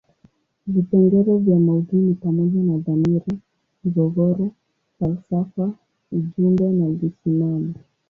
Vipengele vya maudhui ni pamoja na dhamira, migogoro, falsafa ujumbe na msimamo.